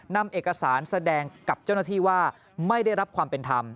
นำเอกสารแสดงกับเจ้าหน้าที่ว่าไม่ได้รับความเป็นธรรม